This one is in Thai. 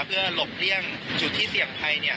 เพื่อหลบเลี่ยงจุดที่เสี่ยงภัย